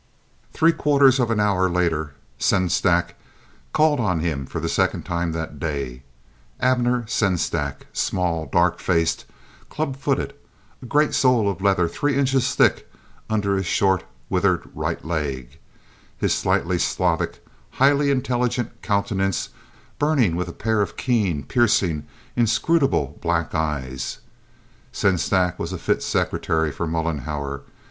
Three quarters of an hour later, Sengstack called on him for the second time that day—Abner Sengstack, small, dark faced, club footed, a great sole of leather three inches thick under his short, withered right leg, his slightly Slavic, highly intelligent countenance burning with a pair of keen, piercing, inscrutable black eyes. Sengstack was a fit secretary for Mollenhauer.